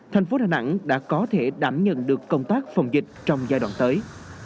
thành phố đà nẵng đã có thể đảm nhận được công tác phòng dịch trong giai đoạn tới